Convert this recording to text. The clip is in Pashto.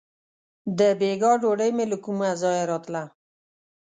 • د بېګا ډوډۍ مې له کومه ځایه راتله.